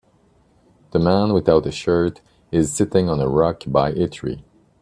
The man without a shirt is sitting on a rock by a tree.